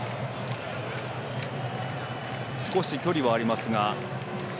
少し距離がありました。